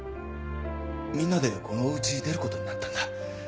みんなでこのお家出る事になったんだ。